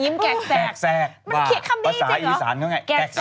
มันเครียดคำดีจริง